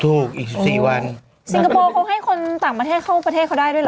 อีกสี่วันสิงคโปร์เขาให้คนต่างประเทศเข้าประเทศเขาได้ด้วยเหรอ